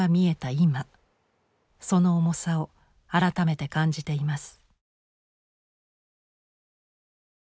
今その重さを改めて感じています。